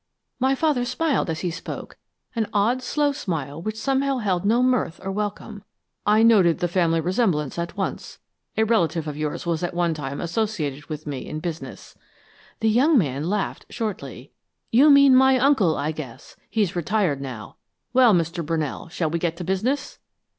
My father smiled as he spoke, an odd, slow smile which somehow held no mirth or welcome. 'I noted the family resemblance at once. A relative of yours was at one time associated with me in business.' "The young man laughed shortly. "You mean my uncle, I guess. He's retired now. Well, Mr. Brunell, shall we get to business?'